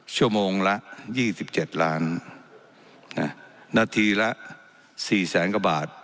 ชั่วโมงละยี่สิบเจ็ดล้านน่ะนาทีละสี่แสนกว่าบาท